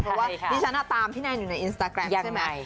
เพราะว่าดิฉันตามพี่แนนอยู่ในอินสตาแกรมใช่ไหม